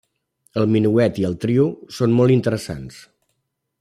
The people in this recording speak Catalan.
El minuet i el trio són molt interessants.